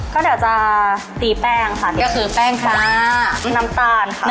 ก็เดี๋ยวจะตีแป้งค่ะก็คือแป้งฟ้าน้ำตาลค่ะ